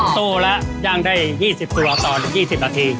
โต้แล้วย่างได้๒๐ตัวต่อ๒๐นาที